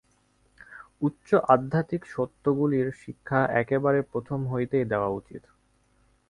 উচ্চ আধ্যাত্মিক সত্যগুলির শিক্ষা একেবারে প্রথম হইতেই দেওয়া উচিত।